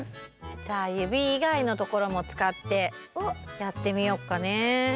じゃあ指いがいのところもつかってやってみようかね。